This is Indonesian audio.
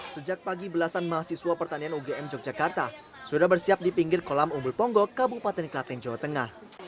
sejak pagi belasan mahasiswa pertanian ugm yogyakarta sudah bersiap di pinggir kolam umbul ponggo kabupaten klaten jawa tengah